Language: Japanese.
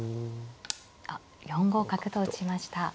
あっ４五角と打ちました。